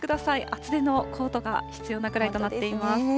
厚手のコートが必要なぐらいとなっています。